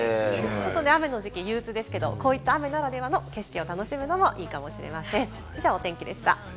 雨の時期、憂鬱ですけれどもこういった雨ならではの景色を楽しむのもいいかもしれません以上、お天気でした。